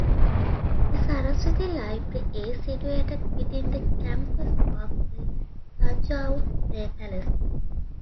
The Saraswati Library is situated within the campus of the Thanjavur Palace.